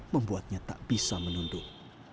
membuatnya tak bisa menunduk